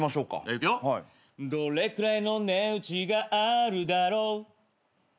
「どれくらいの値打ちがあるだろう？」